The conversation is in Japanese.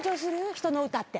人の歌って。